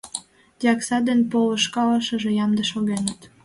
Дьякса ден полышкалышыже ямде шогеныт.